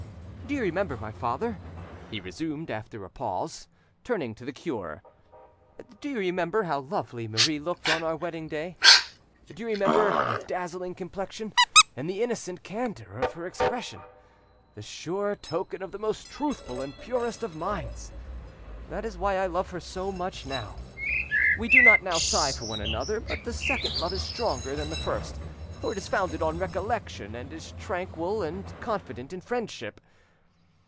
Do you remember, my father," he resumed, after a pause, turning to the cure, "do you remember how lovely Marie looked on our wedding day? Do you remember her dazzling complexion and the innocent candour of her expression?—the sure token of the most truthful and purest of minds! That is why I love her so much now; we do not now sigh for one another, but the second love is stronger than the first, for it is founded on recollection, and is tranquil and confident in friendship